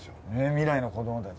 未来の子どもたち。